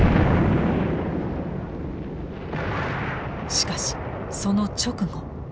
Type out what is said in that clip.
しかしその直後。